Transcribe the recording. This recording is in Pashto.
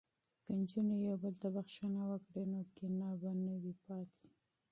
که نجونې یو بل ته بخښنه وکړي نو کینه به نه وي پاتې.